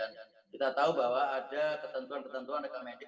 dan kita tahu bahwa ada ketentuan ketentuan reka medik